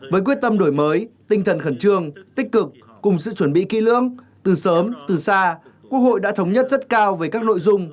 với quyết tâm đổi mới tinh thần khẩn trương tích cực cùng sự chuẩn bị kỹ lưỡng từ sớm từ xa quốc hội đã thống nhất rất cao về các nội dung